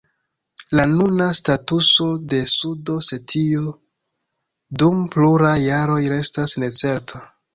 La nuna statuso de Sud-Osetio dum pluraj jaroj restas necerta.